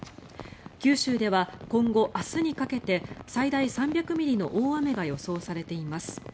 九州では今後、明日にかけて最大３００ミリの大雨が予想されています。